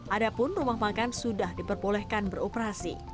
adapun rumah makan sudah diperbolehkan beroperasi